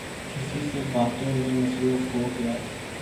کسی سے باتوں میں مصروف ہوگیا